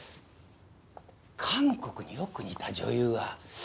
韓国によく似た女優が。